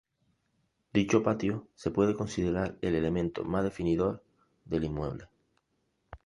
Dicho patio se puede considerar el elemento más definidor del inmueble.